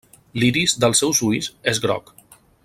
L'iris dels seus ulls és groc.